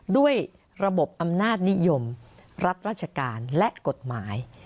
ด้วยระบบอำนาจนิยมรับราชการและกฎหมาย